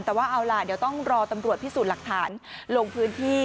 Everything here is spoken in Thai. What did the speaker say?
แต่ว่าเอาล่ะเดี๋ยวต้องรอตำรวจพิสูจน์หลักฐานลงพื้นที่